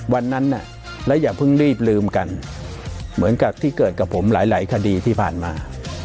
วันนั้นแล้วอย่าเพิ่งรีบลืมกันเหมือนกับที่เกิดกับผมหลายคดีที่ผ่านมา